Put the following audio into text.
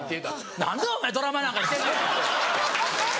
「何でお前ドラマなんか出てんねん」。